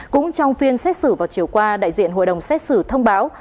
cũng trong phiên xét xử vào chiều qua đại diện hội đồng xét xử thông báo